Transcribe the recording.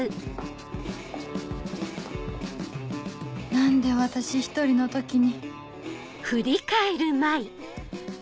何で私１人の時に